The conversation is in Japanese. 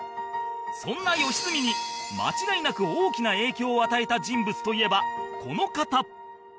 そんな良純に間違いなく大きな影響を与えた人物といえばこの方